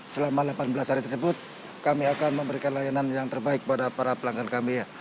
selama delapan belas hari tersebut kami akan memberikan layanan yang terbaik pada para pelanggan kami ya